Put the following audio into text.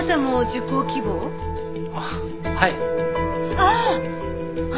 ああ！